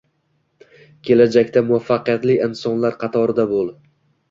Kelajakda muvaffaqiyatli insonlar qatorida bo'l